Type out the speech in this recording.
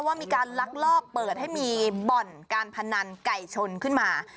ว่ามีการลักลอบเปิดให้มีบ่อนการพนันไก่ชนขึ้นมา